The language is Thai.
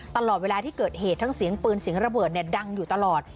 ตลอดเวลาที่เกิดเหตุทั้งเสียงปืนเสียงระเบิดดังอยู่ตลอด